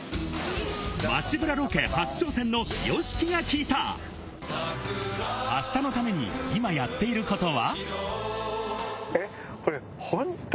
町ブラロケ初挑戦のＹＯＳＨＩＫＩが聞いた明日のために今、やっていることは？